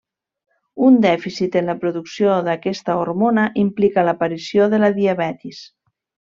Un dèficit en la producció d'aquesta hormona implica l'aparició de la diabetis.